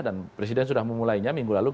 dan presiden sudah memulainya minggu lalu